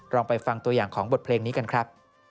ลองไปฟังตัวอย่างของบทเพลงนี้กันครับ